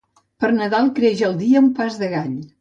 Per Nadal, creix el dia un pas de gall.